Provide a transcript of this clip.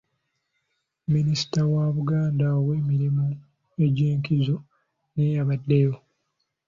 Minisita wa Buganda ow'emirimu egy'enkizo naye yabaddeyo.